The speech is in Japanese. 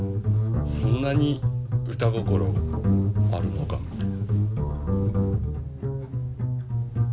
そんなに歌心あるのかみたいな。